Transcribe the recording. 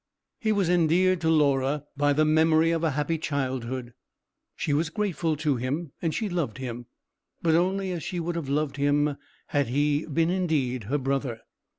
He was endeared to Laura by the memory of a happy childhood. She was grateful to him, and she loved him: but only as she would have loved him had he been indeed her brother.